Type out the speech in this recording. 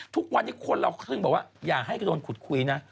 ทุกวันนี้คนเราถึงบอกว่าอย่าให้โดนขุดคุยนะ